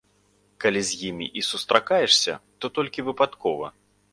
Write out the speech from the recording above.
Калі з імі і сустракаешся, то толькі выпадкова.